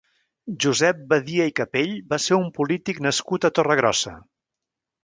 Josep Badia i Capell va ser un polític nascut a Torregrossa.